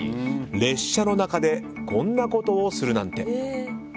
列車の中でこんなことをするなんて。